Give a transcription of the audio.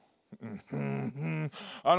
うんあの